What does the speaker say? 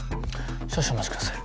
少々お待ちください。